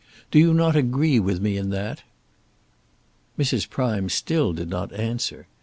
Do you not agree with me in that?" Mrs. Prime still did not answer.